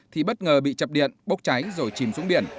thì bất ngờ bị chập điện bốc cháy rồi chìm xuống biển